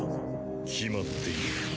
決まっている。